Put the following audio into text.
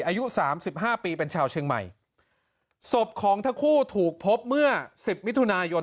อายุสามสิบห้าปีเป็นชาวเชียงใหม่ศพของทั้งคู่ถูกพบเมื่อสิบมิถุนายน